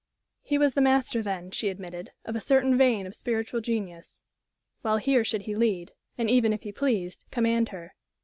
He was the master, then, she admitted, of a certain vein of spiritual genius. Well, here should he lead and even, if he pleased, command her.